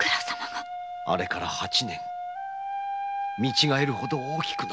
あれから八年見違えるほど大きくなったぞ。